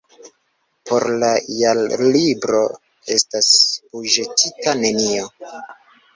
Por la Jarlibro estas buĝetita nenio.